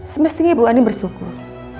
semestinya bu andi bersyukur